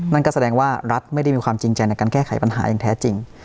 นั่นก็แสดงว่ารัฐไม่ได้มีความจริงใจในการแก้ไขปัญหาอย่างแท้จริง